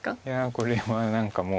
これは何かもう。